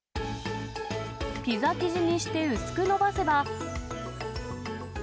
ピザ生地にして、薄く延ばせば。